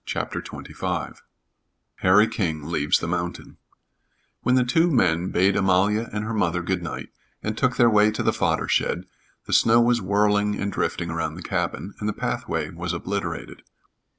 CHAPTER XXV HARRY KING LEAVES THE MOUNTAIN When the two men bade Amalia and her mother good night and took their way to the fodder shed, the snow was whirling and drifting around the cabin, and the pathway was obliterated.